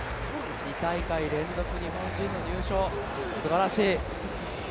２大会連続、日本人の入賞すばらしい。